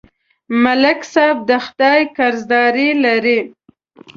ملک صاحب د خدای قرضداري لري